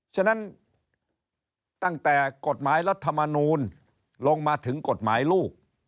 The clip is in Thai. ฉะนั้นตั้งแต่กฎหมายรัฐมนูลลงมาถึงกฎหมายลูก